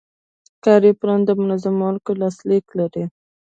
کاري پلان د منظوروونکي لاسلیک لري.